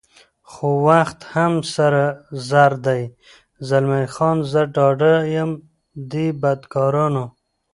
خو وخت هم سره زر دی، زلمی خان: زه ډاډه یم دې بدکارانو.